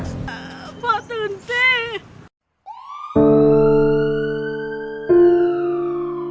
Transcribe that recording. พ่อตื่นสิ